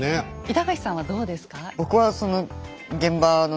板垣さんはどうですか？